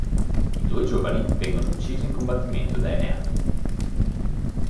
I due giovani vengono uccisi in combattimento da Enea.